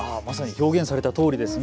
表現されたとおりですね。